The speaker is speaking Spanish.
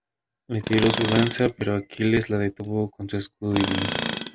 Le tiró su lanza, pero Aquiles la detuvo con su escudo divino.